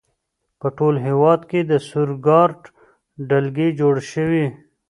په ټول هېواد کې د سور ګارډ ډلګۍ جوړې شوې.